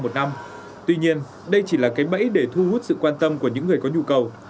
một mươi sáu một năm tuy nhiên đây chỉ là cái bẫy để thu hút sự quan tâm của những người có nhu cầu